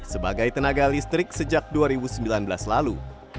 sebagai tenaga listrik sejak dua ribu sembilan belas lalu